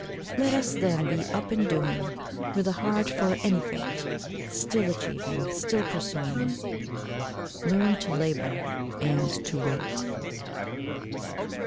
Let us, then, be up and doing, With a heart for any fate; Still achieving, still pursuing, Learn to labor and to wait.